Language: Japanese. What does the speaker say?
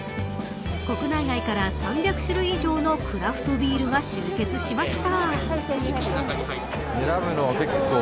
国内外から３００種類以上のクラフトビールが集結しました。